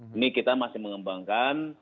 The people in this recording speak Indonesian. ini kita masih mengembangkan